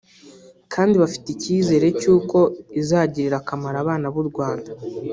kandi bafite icyizere cy’uko izagirira akamaro abana b’u Rwanda